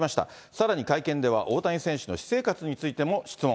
さらに会見では、大谷選手の私生活についても質問。